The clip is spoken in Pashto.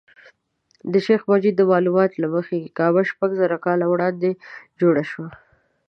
د شیخ مجید د معلوماتو له مخې کعبه شپږ زره کاله وړاندې جوړه شوه.